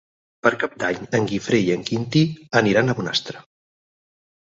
Per Cap d'Any en Guifré i en Quintí aniran a Bonastre.